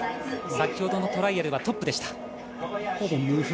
先ほどのトライアルはトップでした。